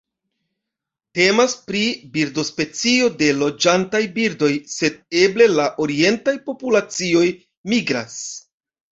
Temas pri birdospecio de loĝantaj birdoj, sed eble la orientaj populacioj migras.